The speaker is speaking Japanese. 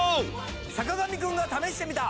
『坂上くんが試してみた！！』。